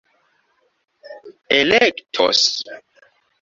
elektos